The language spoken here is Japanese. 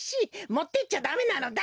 もっていっちゃだめなのだ。